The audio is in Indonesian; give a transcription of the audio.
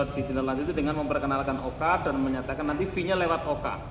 dijenelan itu dengan memperkenalkan oka dan menyatakan nanti v nya lewat oka